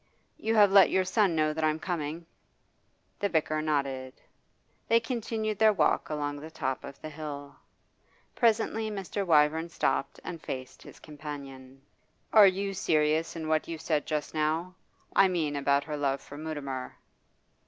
You have let your son know that I am coming?' The vicar nodded. They continued their walk along the top of the hill. Presently Mr. Wyvern stopped and faced his companion. 'Are you serious in what you said just now? I mean about her love for Mutimer?